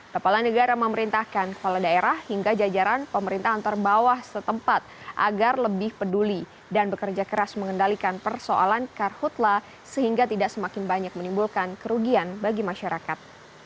kepala negara memerintahkan kepala daerah hingga jajaran pemerintahan terbawah setempat agar lebih peduli dan bekerja keras mengendalikan persoalan karhutlah sehingga tidak semakin banyak menimbulkan kerugian bagi masyarakat